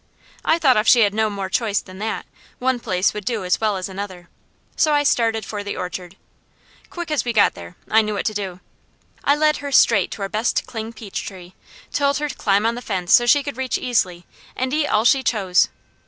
I thought if she had no more choice than that, one place would do as well as another, so I started for the orchard. Quick as we got there, I knew what to do. I led her straight to our best cling peach tree, told her to climb on the fence so she could reach easily, and eat all she chose.